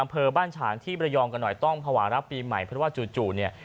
อำเภอบ้านฉางที่บรยองกันหน่อยต้องภาวะรับปีใหม่เพราะว่าจู่เนี่ย